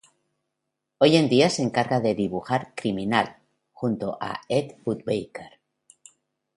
Hoy en día se encarga de dibujar Criminal, junto a Ed Brubaker.